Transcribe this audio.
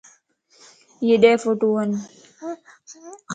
ايي ڏھه ڦوٽوون